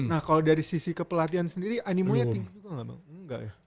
nah kalau dari sisi kepelatihan sendiri animonya tinggi bang